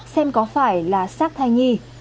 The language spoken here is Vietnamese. xem có phải là sắc thai nhi